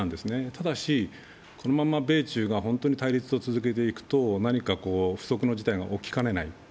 ただしこのまま米中が本当に対立を続けていくと何か不測の事態が起きかねない。